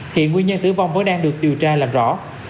hiện nguyên nhân tử vong vẫn đang được điều tra làm rõ